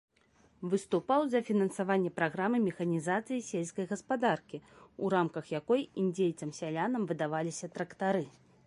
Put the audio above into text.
Выступаў за фінансаванне праграмы механізацыі сельскай гаспадаркі, у рамках якой індзейцам-сялянам выдаваліся трактары.